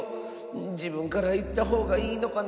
じぶんからいったほうがいいのかな。